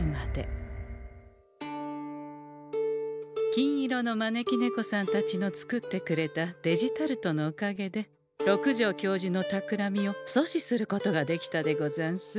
金色の招き猫さんたちの作ってくれたデジタルトのおかげで六条教授のたくらみを阻止することができたでござんす。